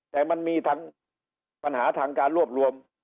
แต่มันมีทั้งปัญหาทางการรวบรวม